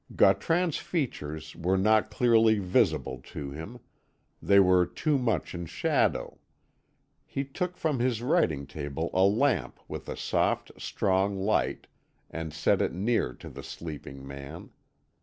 Gautran's features were not clearly visible to him; they were too much in shadow. He took from his writing table a lamp with a soft strong light, and set it near to the sleeping man.